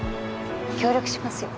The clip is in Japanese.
協力しますよ。